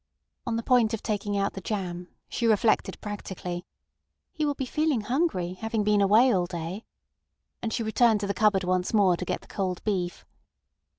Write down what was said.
On the point of taking out the jam, she reflected practically: "He will be feeling hungry, having been away all day," and she returned to the cupboard once more to get the cold beef.